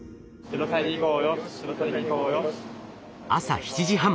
朝７時半